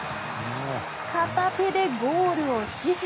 片手でゴールを死守。